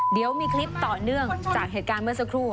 เดี๋ยวมีคลิปต่อเนื่องจากเหตุการณ์เมื่อสักครู่